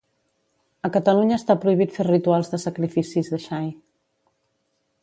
A Catalunya està prohibit fer rituals de sacrificis de xai